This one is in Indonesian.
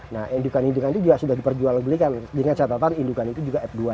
nah indukan indukan itu sudah diperjual beli kan dengan catatan indukan itu juga f dua nya